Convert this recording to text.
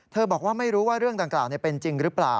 บอกว่าไม่รู้ว่าเรื่องดังกล่าวเป็นจริงหรือเปล่า